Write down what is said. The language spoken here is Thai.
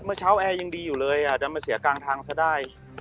เมื่อเช้าแอร์ยังดีอยู่เลยดันมาเสียกลางทางซะได้